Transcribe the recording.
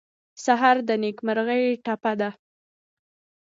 سهار د نیکمرغۍ ټپه ده.